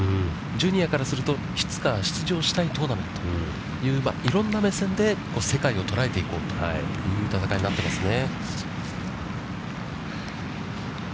ジュニアからすると、いつかは出場したいトーナメントという、いろんな目線で世界を捉えていこうという戦いになっていますね。